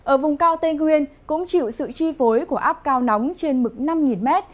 ở vùng cao tây nguyên cũng chịu sự chi phối của áp cao nóng trên mực năm m